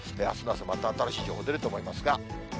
あすの朝、また新しい情報も出ると思いますが。